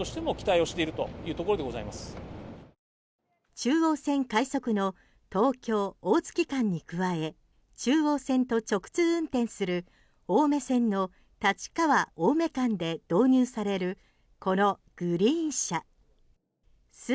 中央線快速の東京大月間に加え中央線と直通運転する青梅線の立川青梅間で導入される、このグリーン車。